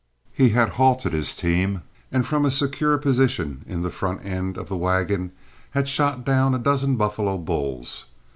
He had halted his team, and from a secure position in the front end of the wagon had shot down a dozen buffalo bulls.